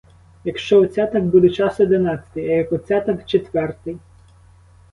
Якщо оця, так буде час одинадцятий, а як оця, так четвертий.